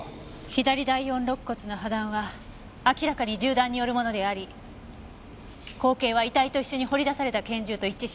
左第四肋骨の破断は明らかに銃弾によるものであり口径は遺体と一緒に掘り出された拳銃と一致しました。